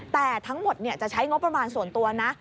แต่ทั้งหมดจะใช้งบประมาณส่วนตัวนะ